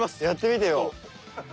やってみてよ。